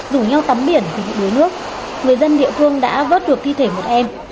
rủ nhau tắm biển vì đuối nước người dân địa phương đã vớt được thi thể một em